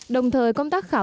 đồng thời công tác khảo